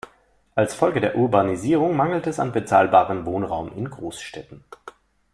Als Folge der Urbanisierung mangelt es an bezahlbarem Wohnraum in Großstädten.